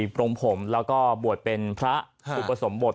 ปรงผมแล้วก็บวชเป็นพระอุปสมบท